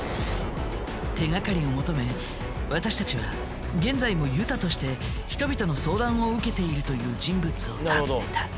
手がかりを求め私たちは現在もユタとして人々の相談を受けているという人物を訪ねた。